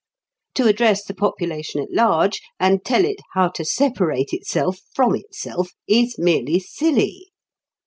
To address the population at large, and tell it how to separate itself from itself, is merely silly.